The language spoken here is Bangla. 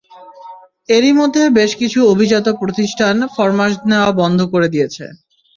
এরই মধ্যে বেশ কিছু অভিজাত প্রতিষ্ঠান ফরমাশ নেওয়া বন্ধ করে দিয়েছে।